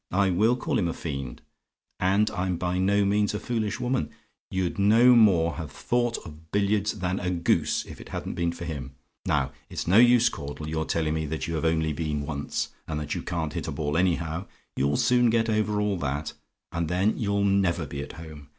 I WILL call him a fiend, and I'm by no means a foolish woman: you'd no more have thought of billiards than a goose, if it hadn't been for him. Now, it's no use, Caudle, your telling me that you have only been once, and that you can't hit a ball anyhow you'll soon get over all that; and then you'll never be at home.